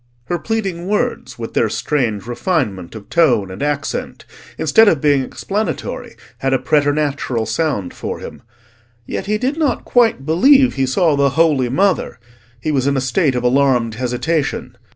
Her pleading words, with their strange refinement of tone and accent, instead of being explanatory, had a preternatural sound for him. Yet he did not quite believe he saw the Holy Mother: he was in a state of alarmed hesitation.